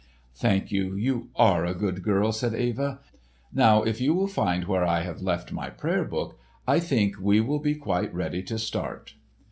"Thank you. You are a good girl," said Eva. "Now if you will find where I have left my prayer book, I think we will be quite ready to start."